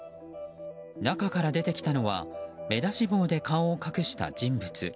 中から出てきたのは目出し帽で顔を隠した人物。